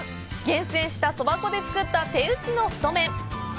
厳選したそば粉で作った手打ちの太麺。